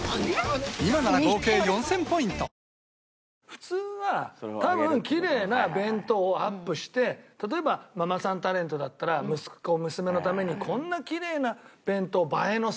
普通は多分きれいな弁当をアップして例えばママさんタレントだったら息子娘のためにこんなきれいな弁当映えのするね。